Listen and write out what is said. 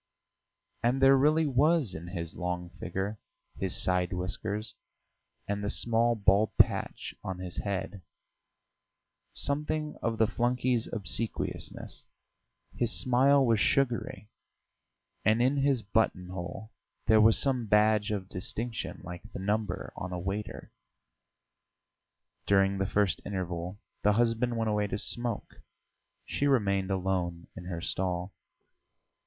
And there really was in his long figure, his side whiskers, and the small bald patch on his head, something of the flunkey's obsequiousness; his smile was sugary, and in his buttonhole there was some badge of distinction like the number on a waiter. During the first interval the husband went away to smoke; she remained alone in her stall.